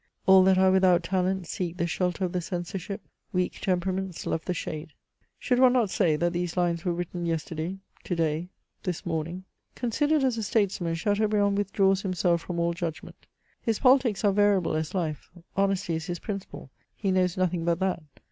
All that are without talent seek the shelter of the censorship ; weak temperaments love the shade." * This, be H observed, is a translation of the French version. CHATEAUBRIAND. 23 Should one not say that these lines were written yesterday, to day, this morning ? Considered as a statesman, Chateaubriand withdraws himself from all judgment. His politics are variable as life. Honesty is his principle. He knows nothing but that.